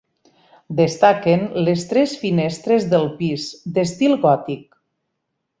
Destaquen les tres finestres del pis, d'estil gòtic.